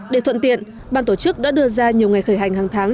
để thuận tiện ban tổ chức đã đưa ra nhiều ngày khởi hành hàng tháng